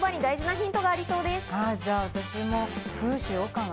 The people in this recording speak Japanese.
じゃあ、私もフしようかな。